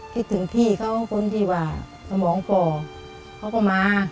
คิดถึงพี่เขาคนที่ว่าสมองฝ่อเขาก็มา